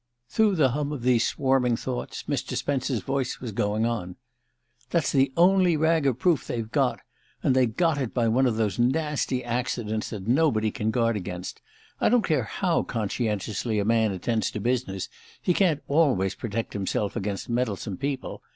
... Through the hum of these swarming thoughts Mr. Spence's voice was going on. "That's the only rag of proof they've got; and they got it by one of those nasty accidents that nobody can guard against. I don't care how conscientiously a man attends to business, he can't always protect himself against meddlesome people.